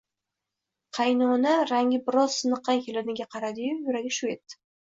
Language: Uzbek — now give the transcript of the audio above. Qaynona rangi biroz siniqqan keliniga qaradi-yu, yuragi shuv etdi